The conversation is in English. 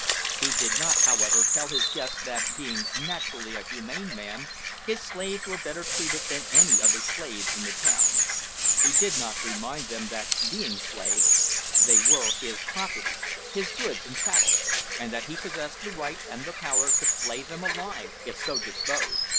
He did not, however, tell his guests that being naturally a humane man, his slaves were better treated than any other slaves in the town. He did not remind them that, being slaves, they were his property, his goods and chattels, and that he possessed the right and the power to flay them alive if so disposed.